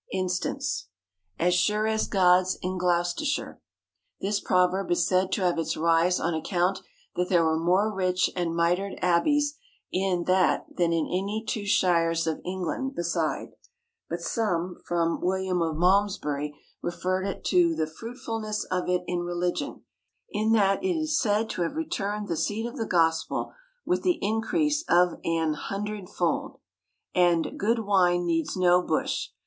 Instance: "As sure as God's in Gloucestershire." This proverb is said to have its rise, on account that there were more rich and mitred abbeys in that than in any two shires of England beside; but some, from William of Malmsbury, refer it to the fruitfulness of it in religion, in that it is said to have returned the seed of the gospel with the increase of an hundred fold. And "Good wine needs no bush."